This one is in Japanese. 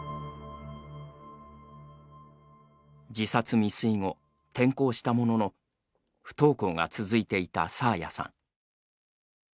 自殺未遂後、転校したものの不登校が続いていた爽彩さん。